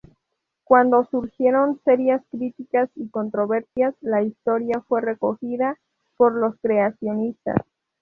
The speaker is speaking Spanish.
Cuando surgieron serias críticas y controversias, la historia fue recogida por los creacionistas.